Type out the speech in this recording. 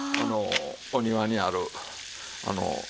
お庭にあるあの。